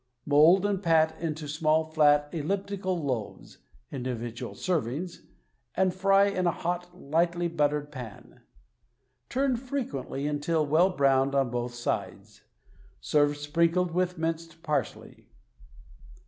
Mold and pat into small, flat, elliptical loaves (individual servings) and fry in a hot, lightly buttered pan. Turn frequently until well browned on both sides. Serve sprinkled with minced parsley.